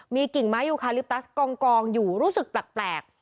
มีกิ่งไม้ยูคาลิปตัสกองอยู่รู้สึกแปลก